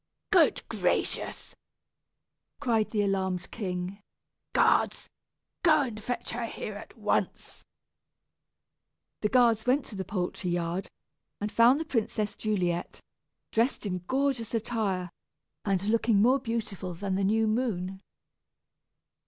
"Good gracious!" cried the alarmed king; "guards, go and fetch her here at once." The guards went to the poultry yard, and found the princess Juliet, dressed in gorgeous attire, and looking more beautiful than the new moon.